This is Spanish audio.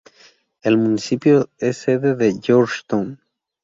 El municipio es sede de Georgetown.